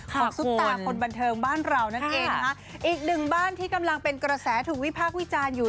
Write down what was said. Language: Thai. ซุปตาคนบันเทิงบ้านเรานั่นเองนะคะอีกหนึ่งบ้านที่กำลังเป็นกระแสถูกวิพากษ์วิจารณ์อยู่